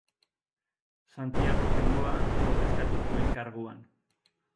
Santiago Bengoa ordezkatu zuen karguan.